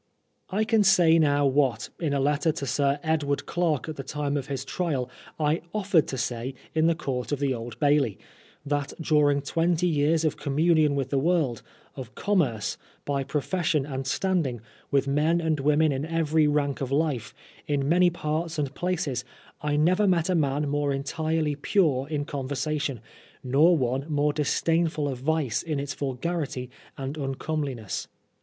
I can say now what, in a letter to Sir Edward Clarke at the time of his trial, I offered to say in the Court of the Old Bailey, that during twenty years of com munion with the world, of commerce, by profession and standing, with men and women in every rank of life, in many parts and places, I never met a man more entirely pure in conversation, nor one more disdainful of vice in its vulgarity and uncomeliness.